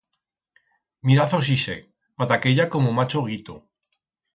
Miraz-os ixe, pataqueya como macho guito.